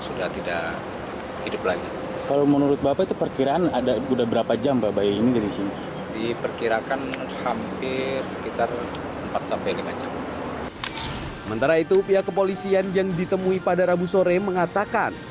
sementara itu pihak kepolisian yang ditemui pada rabu sore mengatakan